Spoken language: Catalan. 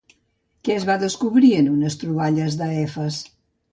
Què es va descobrir en unes troballes d'Efes?